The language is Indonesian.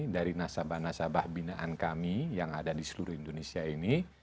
dari nasabah nasabah binaan kami yang ada di seluruh indonesia ini